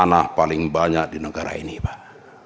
tanah paling banyak di negara ini pak